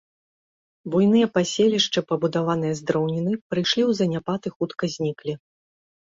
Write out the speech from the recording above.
Буйныя паселішчы, пабудаваныя з драўніны, прыйшлі ў заняпад і хутка зніклі.